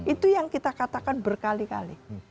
itu yang kita katakan berkali kali